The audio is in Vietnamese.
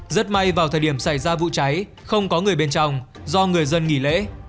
rất may vào thời điểm xảy ra vụ cháy không có người bên trong do người dân nghỉ lễ